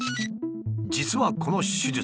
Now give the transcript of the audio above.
実はこの手術